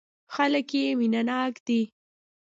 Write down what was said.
خلک یې مینه ناک دي.